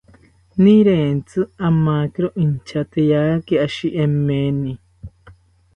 Nirentzi ramakiro intyateyaki ashi emeni